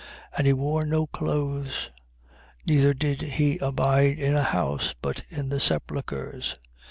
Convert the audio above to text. And he wore no clothes: neither did he abide in a house, but in the sepulchres.